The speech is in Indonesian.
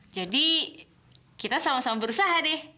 jadi kita sama sama berusaha deh